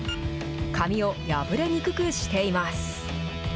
紙を破れにくくしています。